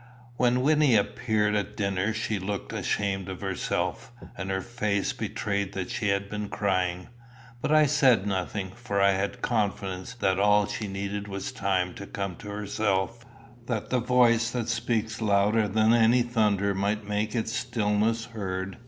When Wynnie appeared at dinner she looked ashamed of herself, and her face betrayed that she had been crying. But I said nothing, for I had confidence that all she needed was time to come to herself, that the voice that speaks louder than any thunder might make its stillness heard.